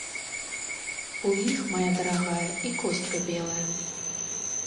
У іх, мая дарагая, і костка белая.